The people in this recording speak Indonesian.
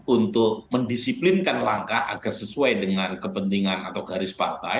untuk mendisiplinkan langkah agar sesuai dengan kepentingan atau garis partai